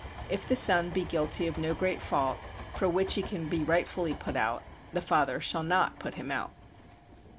If the son be guilty of no great fault, for which he can be rightfully put out, the father shall not put him out.